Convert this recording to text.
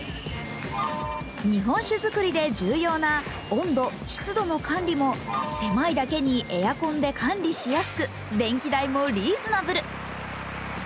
日本酒造りで重要な温度・湿度の管理も狭いだけにエアコンで管理しやすく、電気代もリーズナブル。